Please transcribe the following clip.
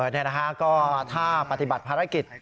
นี่นะฮะก็ถ้าปฏิบัติภารกิจ